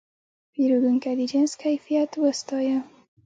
پیرودونکی د جنس کیفیت وستایه.